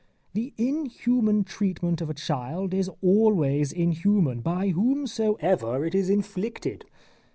The inhuman treatment of a child is always inhuman, by whomsoever it is inflicted.